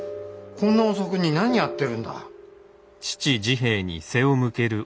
こんな遅くに何やってるんだ？